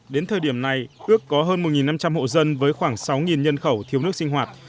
đến thời điểm này ước có hơn một năm trăm linh hộ dân với khoảng sáu nhân khẩu thiếu nước sinh hoạt